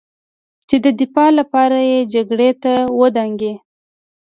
چې د دفاع لپاره یې جګړې ته ودانګي